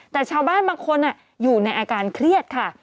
แต่ชาวบ้านบางคนอยู่ในอาการเครียดค่ะ